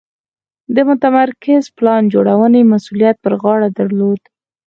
د متمرکزې پلان جوړونې مسوولیت پر غاړه درلود.